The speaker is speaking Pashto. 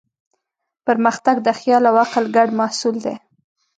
پرمختګ د خیال او عقل ګډ محصول دی.